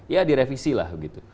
ya direvisi lah begitu